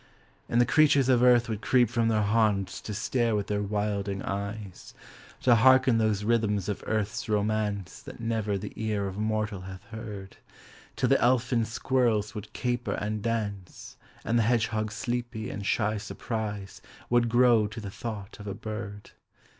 And the creatures of earth would creep from their haunts To stare with their wilding eyes, To hearken those rhythms of earth's romance, That never the ear of mortal hath heard; Till the elfin squirrels would caper and dance, And the hedgehog's sleepy and shy surprise Would grow to the thought of a bird.